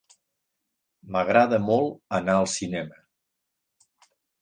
M'agrada molt anar al cinema.